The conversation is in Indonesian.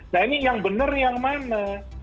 nah ini yang benar yang mana